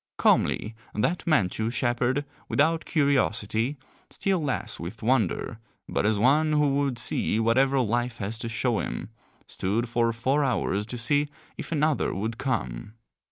Calmly that Manchu shepherd, without curiosity, still less with wonder, but as one who would see whatever life has to show him, stood for four hours to see if another would come.